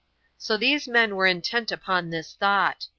So these men were intent upon this thought.